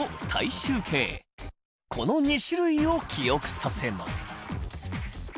この２種類を記憶させます。